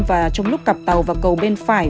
và trong lúc cặp tàu vào cầu bên phải